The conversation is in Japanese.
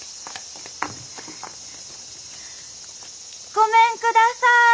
ごめんください。